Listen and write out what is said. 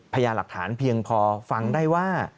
พยายามหลักฐานเพียงพอฟังได้ว่า